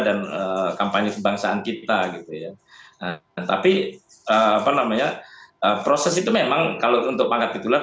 dan kampanye kebangsaan kita gitu ya tapi proses itu memang kalau untuk pangkat tituler